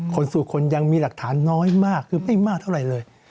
สู่คนยังมีหลักฐานน้อยมากคือไม่มากเท่าไหร่เลย